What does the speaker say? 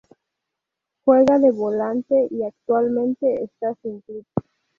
Juega de volante y actualmente está sin club.